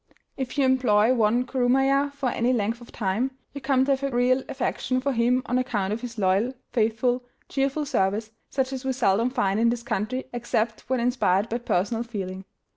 [*322] If you employ one kurumaya for any length of time, you come to have a real affection for him on account of his loyal, faithful, cheerful service, such as we seldom find in this country except when inspired by personal feeling.